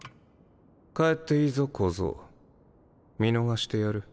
帰っていいぞ小僧見逃してやる。